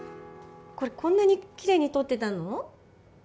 これこんなにキレイに取ってたの？